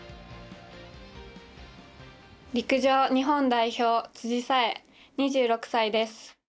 陸上日本代表、辻沙絵、２６歳です。